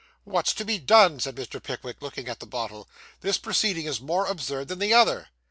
'What's to be done?' said Mr. Pickwick, looking at the bottle. 'This proceeding is more absurd than the other.